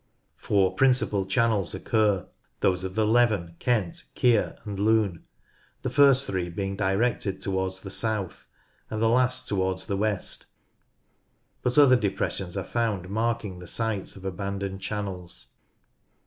Four principal channels occur, those of the Leven, Kent, Keer, and Lune, the first three being directed to wards the south, and the last towards the west, but other depressions are found marking the sites of abandoned channels.